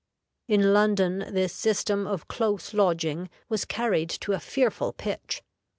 In London this system of close lodging was carried to a fearful pitch.